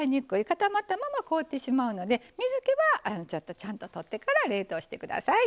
固まったまま凍ってしまうので水けはちゃんと取ってから冷凍してください。